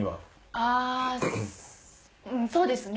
あうんそうですね。